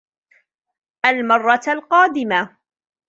المرة القادمة.